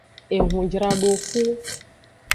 Ehunjradoxu.